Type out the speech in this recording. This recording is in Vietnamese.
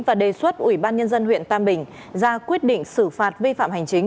và đề xuất ủy ban nhân dân huyện tam bình ra quyết định xử phạt vi phạm hành chính